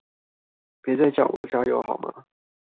別再叫我加油好嗎？